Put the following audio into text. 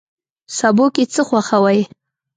سبو کی څه خوښوئ؟